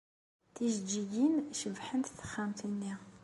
Tijejjigin cebbḥent taxxamt-nni.